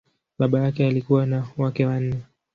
Baba yake alikuwa na wake wanne.